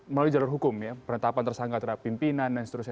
melalui jalur hukum ya penetapan tersangka terhadap pimpinan dan seterusnya